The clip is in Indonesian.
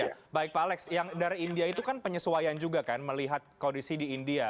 ya baik pak alex yang dari india itu kan penyesuaian juga kan melihat kondisi di india